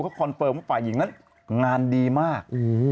เขาคอนเฟิร์มว่าฝ่ายหญิงนั้นงานดีมาก